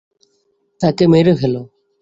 তাকে মেরে ফেলো।